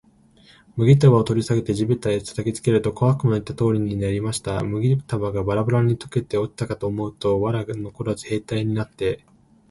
麦束を取り上げて地べたへ叩きつけると、小悪魔の言った通りやりました。麦束がバラバラに解けて落ちたかと思うと、藁がのこらず兵隊になって、